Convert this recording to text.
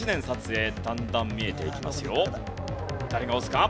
誰が押すか？